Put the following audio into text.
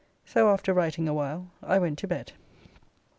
So after writing a while I went to bed.